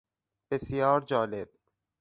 بسیار جالب